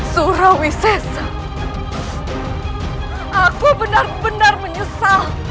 surawisesa aku benar benar menyesal